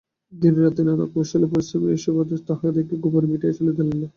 দিনরাত্রি নানা কৌশলে ও পরিশ্রমে এই পরিবারের সমস্ত অভাব তাঁহাকে গোপনে মিটাইয়া চলিতে হয়।